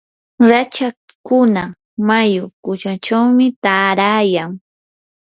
rachakkuna mayu kuchunchawmi taarayan.